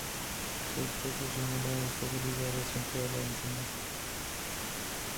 Su trayectoria profesional ha estado ligada siempre a la enseñanza.